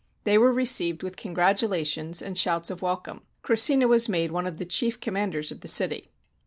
They were received with congratulations and shouts of welcome. Krussina was made one of the chief com manders of the city.